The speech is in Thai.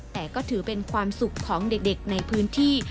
แต่ก็ถือเป็นความสุขของเด็กในพื้นที่